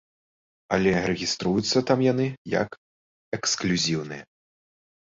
Але рэгіструюцца там яны як эксклюзіўныя.